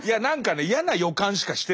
嫌な予感しかしてない。